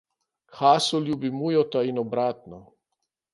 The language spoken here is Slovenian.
Haso ljubi Mujota in obratno.